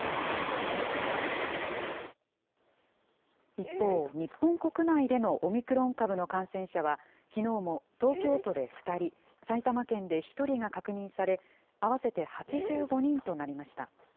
一方、日本国内でのオミクロン株の感染者は、きのうも東京都で２人、埼玉県で１人が確認され、合わせて８５人となりました。